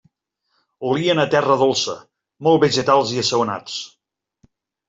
Olien a terra dolça, molt vegetals i assaonats.